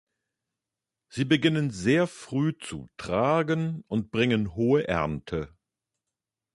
Sie beginnen sehr früh zu tragen und bringen hohe Ernte.